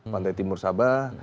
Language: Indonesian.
pantai timur sabah